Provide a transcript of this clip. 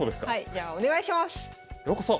じゃあお願いします！